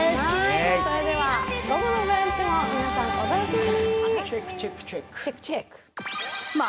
それでは午後の「ブランチ」も皆さんお楽しみに。